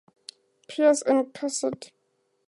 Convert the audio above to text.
Pierce and Cassatt.